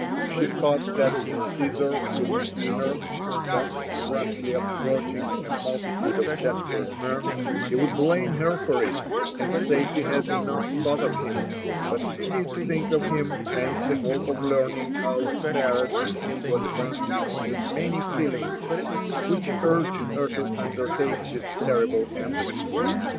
She thought that if G»sar could see her thus rashly approaching a multitude of desperate men, he would blame her for it, and say she had not thought of him. But she did think of him, and the hope of learning how it fared with him was one ^mon^ the many feelings which urged her to undertake this terrible embassy.